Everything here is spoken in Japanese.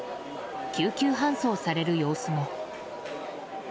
救急搬送される様子も。